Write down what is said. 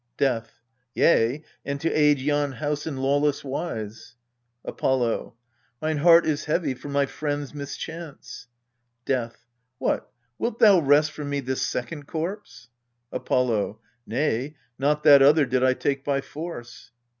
Death. Yea, and to aid yon house in lawless wise. Apollo. Mine heart is heavy for my friend's mischance. Death. What, wilt thou wrest from me this second corpse ? Apollo. Nay, not that other did I take by force.